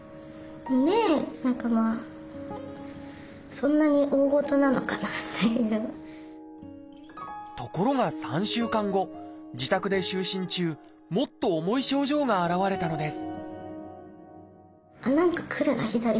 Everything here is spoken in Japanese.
それもまたところが３週間後自宅で就寝中もっと重い症状が現れたのです